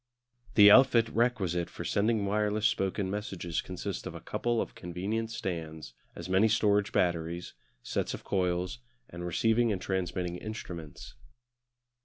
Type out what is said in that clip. The outfit requisite for sending wireless spoken messages consists of a couple of convenient stands, as many storage batteries, sets of coils, and receiving and transmitting instruments.